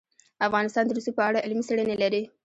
افغانستان د رسوب په اړه علمي څېړنې لري.